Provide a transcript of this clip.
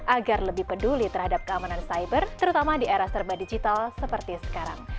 agar lebih peduli terhadap keamanan cyber terutama di era serba digital seperti sekarang